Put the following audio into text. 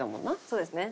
そうですね。